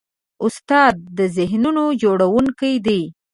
استاد د ذهنونو جوړوونکی دی.